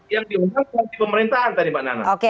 yang diundang polisi pemerintahan tadi pak nana